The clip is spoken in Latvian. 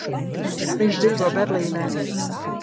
Viņš dzīvo Berlīnē.